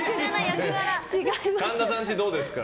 神田さんちはどうですか？